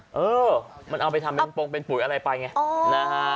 ฮะเออมันเอาไปทำเป็นปุ๋ยอะไรไปไงนะฮะ